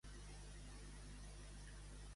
A burra que crie no li digues arre.